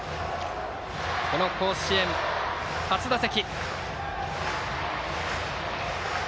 この甲子園初打席。